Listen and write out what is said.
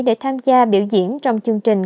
để tham gia biểu diễn trong chương trình